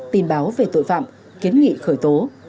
tin báo về tội phạm kiến nghị khởi tố